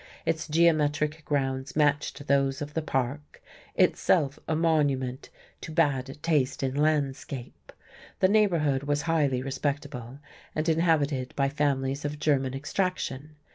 Its geometric grounds matched those of the park, itself a monument to bad taste in landscape. The neighbourhood was highly respectable, and inhabited by families of German extraction.